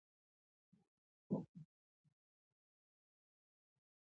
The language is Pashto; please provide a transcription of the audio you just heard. هغه له اوولس کلونو راهیسې حقوقي سلاکار و.